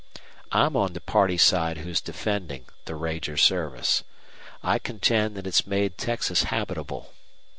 I'm on the party side who's defending the ranger service. I contend that it's made Texas habitable.